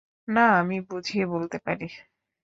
না, আমি বুঝিয়ে বলতে পারি!